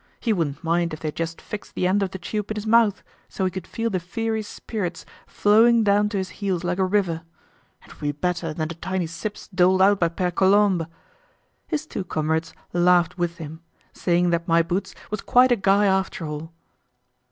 He wouldn't mind if they just fixed the end of the tube in his mouth, so he could feel the fiery spirits flowing down to his heels like a river. It would be better than the tiny sips doled out by Pere Colombe! His two comrades laughed with him, saying that My Boots was quite a guy after all.